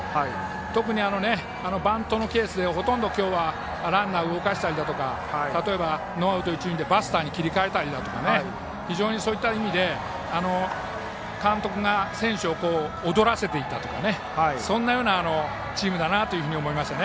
特にバントのケースでほとんど今日はランナーを動かしたりだとか例えばノーアウト、一塁でバスターに切り替えたり非常にそういった意味で監督が選手を躍らせていったそんなようなチームだなと思いましたね。